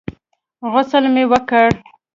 غسل مې وکړ.